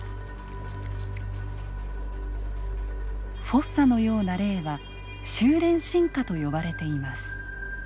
フォッサのような例は収れん進化と呼ばれています。